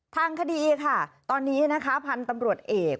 ทางคดีค่ะตอนนี้นะคะพันธุ์ตำรวจเอก